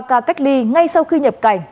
ba ca cách ly ngay sau khi nhập cảnh